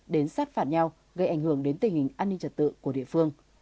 đến sát phạt nhau gây ảnh hưởng đến tình hình an ninh trật tự của địa phương